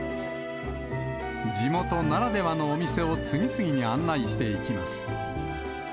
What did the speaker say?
地元ならではのお店を次々に案内していきます。